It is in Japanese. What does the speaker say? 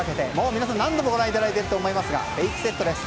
皆さん、何度もご覧いただいていると思いますがフェイクセットです。